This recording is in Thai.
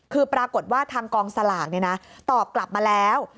คือปรากฏว่าทางกองสลากตอบกลับมาแล้ว